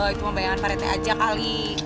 itu pembayangan parete aja kali